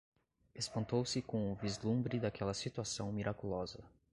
Espantou-se com o vislumbre daquela situação miraculosa